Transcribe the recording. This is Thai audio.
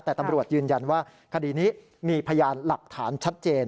แต่ตำรวจยืนยันว่าคดีนี้มีพยานหลักฐานชัดเจน